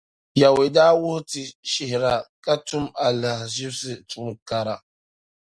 Yawɛ daa wuhi ti shihira ka tum alahiziba tuun’ kara.